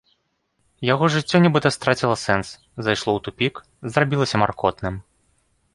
Яго жыццё нібыта страціла сэнс, зайшло ў тупік, зрабілася маркотным.